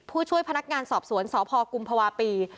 ผู้ช่วยพนักงานสอบสวนสพกุมภาวะปี